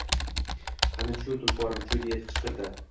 —Qani, chu, tulporim, chu, — deya qichqirdi.